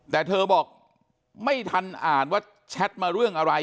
แต่เธอบอกไม่ทันอ่านว่าแชทมาเรื่องอะไร